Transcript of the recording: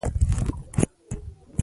قضايي حوزې پانګه والو مېشتولو امکان ښيي.